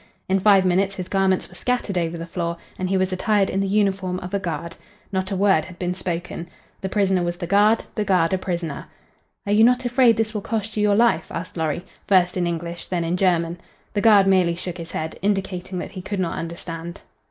In five minutes his garments were scattered over the floor and he was attired in the uniform of a guard. Not a word had been spoken. The prisoner was the guard, the guard a prisoner. "Are you not afraid this will cost you your life?" asked Lorry, first in English, then in German. The guard merely shook his head, indicating that he could not understand.